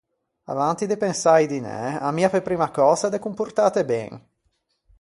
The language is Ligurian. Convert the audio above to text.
Avanti de pensâ a-i dinæ, ammia pe primma cösa de comportâte ben.